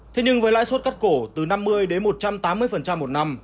thế nhưng với lãi suất cắt cổ từ năm mươi đến một trăm tám mươi một năm